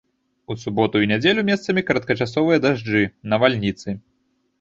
У суботу і нядзелю месцамі кароткачасовыя дажджы, навальніцы.